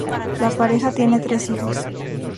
La pareja tiene tres hijos.